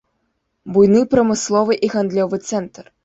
Буйны прамысловы і гандлёвы цэнтр.